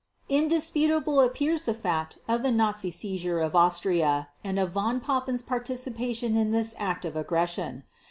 Indisputable appears the fact of the Nazi seizure of Austria and of Von Papen's participation in this act of aggression.